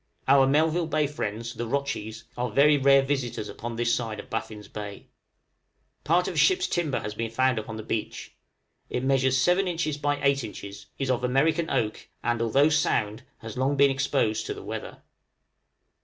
Our Melville Bay friends, the rotchies, are very rare visitors upon this side of Baffin's Bay. Part of a ship's timber has been found upon the beach; it measures 7 inches by 8 inches, is of American oak, and, although sound, has long been exposed to the weather.